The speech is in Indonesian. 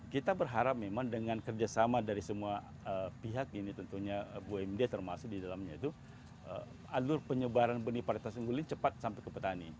kita berharap memang dengan kerjasama dari semua pihak ini tentunya bumd termasuk di dalamnya itu alur penyebaran benih paritas unggul ini cepat sampai ke petani